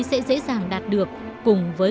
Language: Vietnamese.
sẽ dễ dàng đạt được cùng với